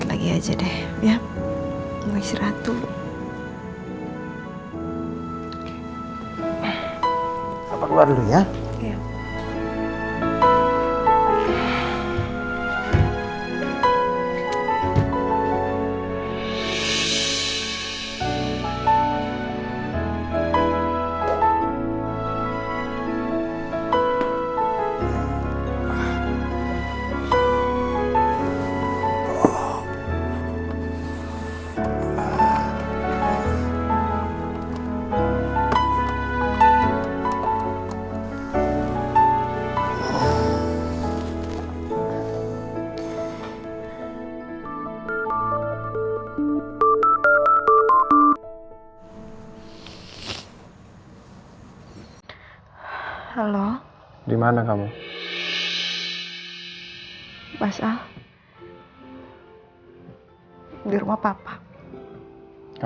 aku mau istirahat lagi aja deh ya